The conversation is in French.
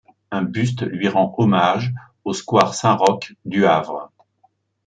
Un buste lui rend hommage au square Saint-Roch du Havre.